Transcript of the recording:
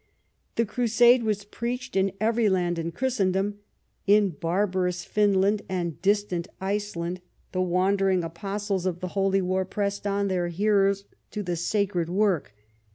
The Crusade was preached in every land in Christendom. In barbarous Finland and distant Iceland the wandering apostles of the Holy War pressed on their hearers to the sacred work.